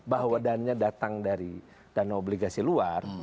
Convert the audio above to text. bahwa dana datang dari dana obligasi luar